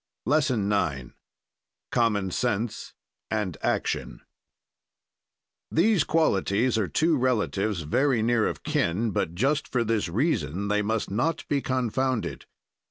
LESSON IX COMMON SENSE AND ACTION These qualities are two relatives very near of kin; but, just for this reason, they must not be confounded.